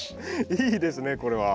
いいですねこれは。